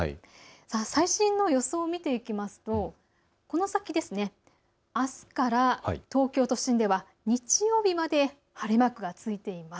最新の予想を見ていきますとこの先、あすから東京都心では日曜日まで晴れマークが付いています。